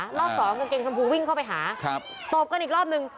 รอบสองกางเกงชมพูวิ่งเข้าไปหาตบกันอีกรอบนึง